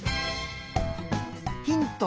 ヒント